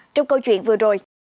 trong câu chuyện vừa rồi